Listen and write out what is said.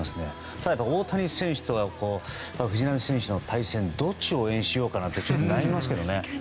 ただ、大谷選手と藤浪選手の対戦どっちを応援しようかなとちょっと悩みますけどね。